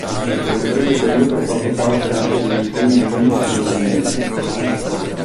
Per un breve periodo ha fatto parte anche degli Huey Louis and The News.